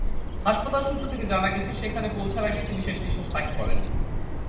হাসপাতালের সূত্র থেকে জানা গেছে, সেখানে পৌঁছার আগেই তিনি শেষনিঃশ্বাস ত্যাগ করেন।